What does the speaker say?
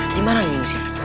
di mana ini sih